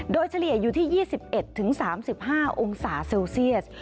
โดยเฉลี่ยอยู่ที่๒๑๓๕องศาเซลเซียส